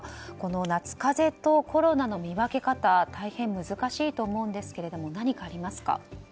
夏風邪とコロナの見分け方大変難しいと思いますが何かありますか？